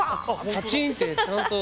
パチンってちゃんと。